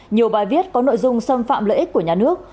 nhiều bài viết có nội dung xâm phạm lợi ích của nhà nước